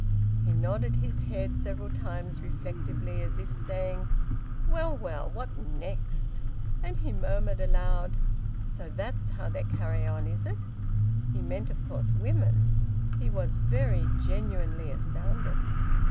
He nodded his head several times reflectively, as if saying, "Well, well! What next?" And he murmured aloud: "So that's how they carry on, is it!" He meant, of course, women... He was very genuinely astounded.